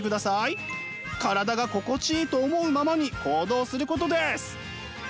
体が心地いいと思うままに行動することです。